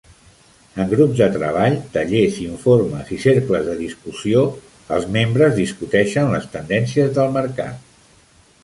En grups de treball, tallers, informes i cercles de discussió, els membres discuteixen les tendències del mercat.